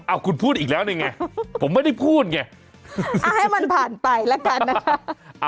เอาคุณพูดอีกแล้วนี่ไงผมไม่ได้พูดไงเอาให้มันผ่านไปแล้วกันนะคะ